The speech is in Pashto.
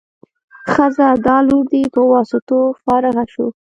ښه ځه دا لور دې په واسطو فارغه شو.